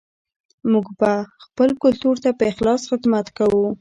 موږ به خپل کلتور ته په اخلاص خدمت کوو.